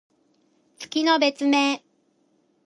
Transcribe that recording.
月の別名。